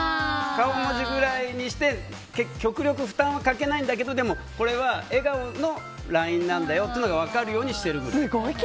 顔文字ぐらいにして極力負担をかけないんだけどでも、これは笑顔のＬＩＮＥなんだよとすごい気にしてますね！